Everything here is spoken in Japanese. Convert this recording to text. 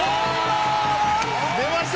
出ました。